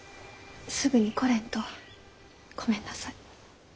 すぐに来れんとごめんなさい。